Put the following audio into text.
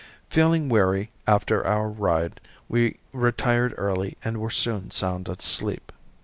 Feeling weary after our ride we retired early and were soon sound asleep.